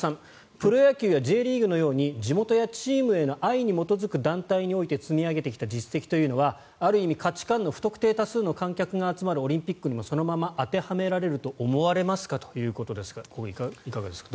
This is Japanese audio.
プロ野球やＪリーグのように地元やチームへの愛に基づく団体において積み上げてきた実績というのはある意味、価値観の不特定多数の観客が集まるオリンピックにもそのまま当てはめられると思われますか？ということですがいかがですか？